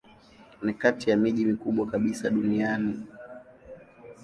Ni kati ya miji mikubwa kabisa duniani.